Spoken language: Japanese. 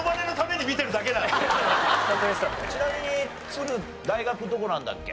ちなみに都留大学どこなんだっけ？